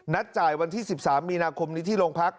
จ่ายวันที่๑๓มีนาคมนี้ที่โรงพัก